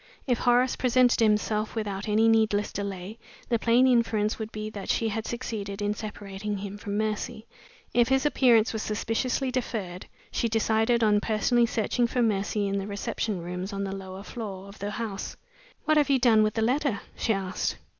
If Horace presented himself without any needless delay, the plain inference would he that she had succeeded in separating him from Mercy. If his appearance was suspiciously deferred, she decided on personally searching for Mercy in the reception rooms on the lower floor of the house. "What have you done with the letter?" she asked.